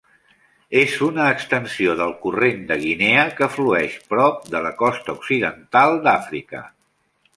És una extensió del Corrent de Guinea que flueix prop de la costa occidental d'Àfrica.